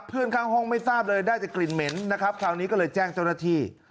ข้างห้องไม่ทราบเลยได้แต่กลิ่นเหม็นนะครับคราวนี้ก็เลยแจ้งเจ้าหน้าที่